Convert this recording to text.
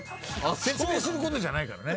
説明することじゃないからね。